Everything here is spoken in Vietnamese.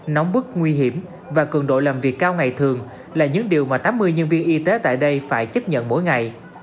nóng bức nguy hiểm và cường độ làm việc cao ngày thường là những điều mà tám mươi nhân viên y tế tại đây phải chấp nhận mỗi ngày